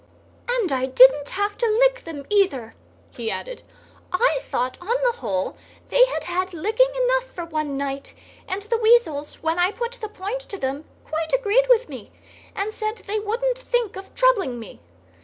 "And I didn't have to lick them, either," he added. "I thought, on the whole, they had had licking enough for one night, and the weasels, when I put the point to them, quite agreed with me, and said they wouldn't think of troubling me.